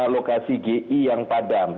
lokasi gi yang padam